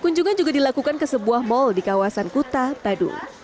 kunjungan juga dilakukan ke sebuah mal di kawasan kuta badung